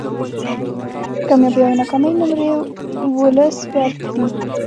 د کامیابۍ او ناکامۍ نمرې ولس ورکړي